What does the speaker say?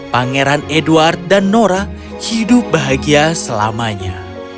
pangeran edward dan nora hidup bahagia selamanya